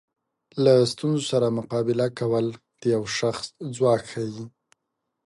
له ستونزو سره مقابله کول د یو شخص ځواک ښیي.